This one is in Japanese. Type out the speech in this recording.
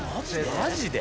マジで？